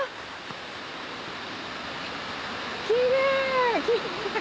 キレイ！